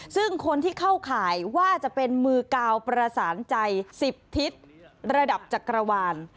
ซึ่งคนที่เข้าข่ายว่าจะเป็นมือกาวประสานใจ๑๐ทิศระดับจักรวาล